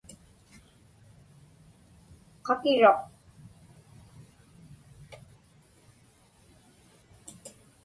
Qakiruq.